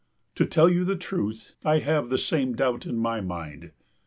To tell you the truth I have the same doubt in my mind.